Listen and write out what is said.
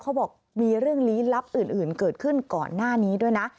เขาบอกมีเรื่องลี้ลับอื่นเกิดขึ้นก่อนหน้านี้ด้วยนะ